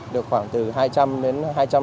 được khoảng từ hai trăm linh đến hai trăm linh